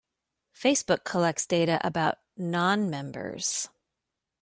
Facebook collects data about non-members.